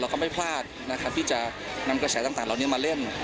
เราก็ไม่พลาดที่จะนำกระแสต่างเหล่านี้มาเล่น